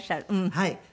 はい。